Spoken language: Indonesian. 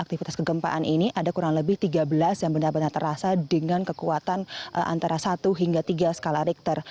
aktivitas kegempaan ini ada kurang lebih tiga belas yang benar benar terasa dengan kekuatan antara satu hingga tiga skala richter